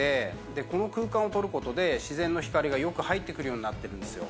この空間をとることで自然の光がよく入ってくるようになってるんですよ。